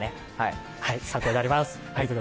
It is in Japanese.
参考になります。